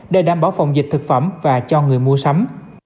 để đảm bảo phòng dịch thực phẩm và cho người mua sắm